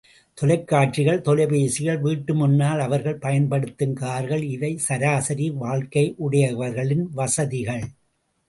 தொலைக்காட்சிகள், தொலைபேசிகள், வீட்டு முன்னால் அவர்கள் பயன்படுத்தும் கார்கள் இவை சராசரி வாழ்க்கையுடையவர்களின் வசதிகள்.